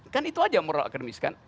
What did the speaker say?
kan itu aja merok akademis kan